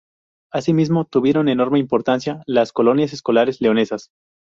Asimismo tuvieron enorme importancia las "Colonias Escolares Leonesas".